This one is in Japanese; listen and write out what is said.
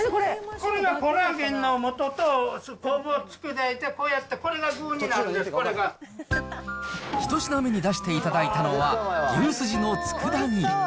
これがコラーゲンのもととをつくだ煮にして、こうやってこ１品目に出していただいたのは、牛すじのつくだ煮。